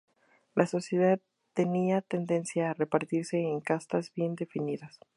La sociedad tenía tendencia a repartirse en castas bien definidas.